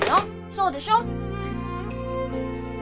そうでしょ！